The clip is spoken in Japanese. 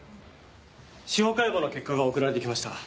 司法解剖の結果が送られてきました。